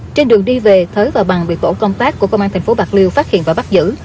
trên đường đi về thới và bằng bị tổ công tác của công an tp bạc liêu phát hiện và bắt giữ